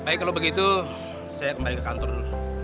baik kalau begitu saya kembali ke kantor dulu